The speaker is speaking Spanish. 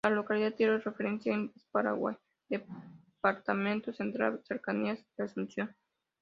La localidad tipo referida es: Paraguay, departamento Central, cercanías de Asunción.